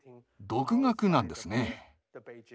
独学なんですね。